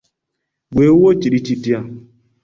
Ggwe ewuwo kiri kitya?